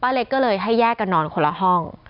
เล็กก็เลยให้แยกกันนอนคนละห้อง